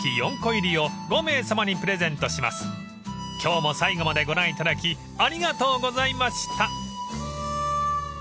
［今日も最後までご覧いただきありがとうございました］